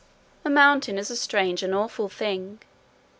A mountain is a strange and awful thing.